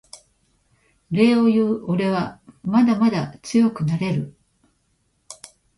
礼を言うおれはまだまだ強くなれる